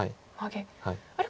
あれ？